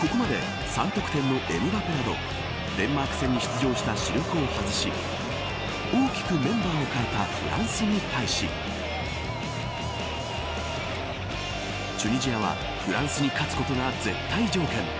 ここまで３得点のエムバペなどデンマーク戦に出場した主力を外し大きくメンバーを変えたフランスに対しチュニジアはフランスに勝つことが絶対条件。